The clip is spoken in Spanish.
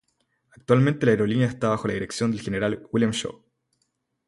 Actualmente la aerolínea esta bajo la dirección general de William Shaw.